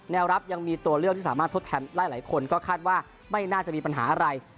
รับยังมีตัวเลือกที่สามารถทดแทนได้หลายคนก็คาดว่าไม่น่าจะมีปัญหาอะไร